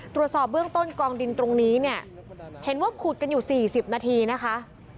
ตรวจสอบเบื้องต้นกองดินตรงนี้เนี่ยเห็นว่าขุดกันอยู่๔๐นาทีนะคะ